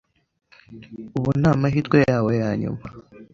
Ubu ni amahirwe yawe yanyuma.